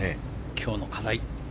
今日の課題。